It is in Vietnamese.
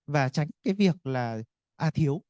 và tránh việc thiếu